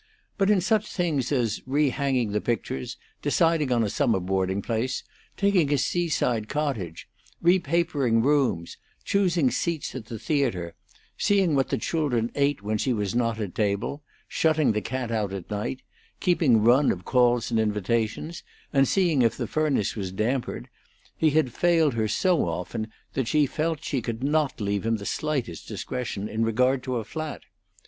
But in such things as rehanging the pictures, deciding on a summer boarding place, taking a seaside cottage, repapering rooms, choosing seats at the theatre, seeing what the children ate when she was not at table, shutting the cat out at night, keeping run of calls and invitations, and seeing if the furnace was dampered, he had failed her so often that she felt she could not leave him the slightest discretion in regard to a flat.